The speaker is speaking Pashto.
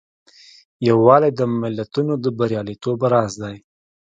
یووالی د ملتونو د بریالیتوب راز دی.